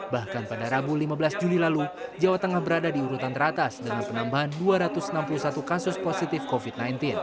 bahkan pada rabu lima belas juli lalu jawa tengah berada di urutan teratas dengan penambahan dua ratus enam puluh satu kasus positif covid sembilan belas